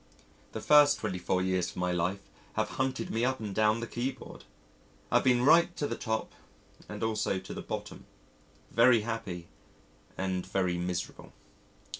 The first twenty four years of my life have hunted me up and down the keyboard I have been right to the top and also to the bottom very happy and very miserable.